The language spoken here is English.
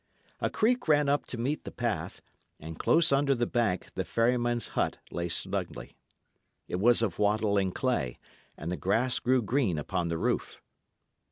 A creek ran up to meet the path, and close under the bank the ferryman's hut lay snugly. It was of wattle and clay, and the grass grew green upon the roof.